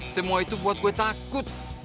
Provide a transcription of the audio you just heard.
semua itu buat gue takut